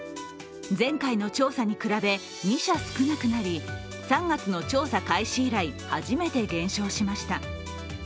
前回の調査に比べ、２社少なくなり３月の調査開始以来初めて減少しました。